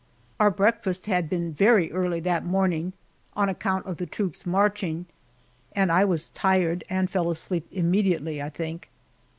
Our breakfast had been very early that morning, on account of the troops marching, and I was tired and fell asleep immediately, I think.